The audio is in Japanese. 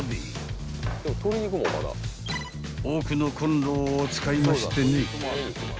［奥のこんろを使いましてね］